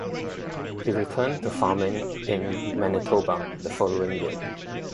He returned to farming in Manitoba the following year.